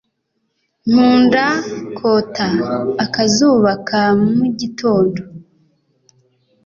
nkunda kota akazuba ka mu gitondo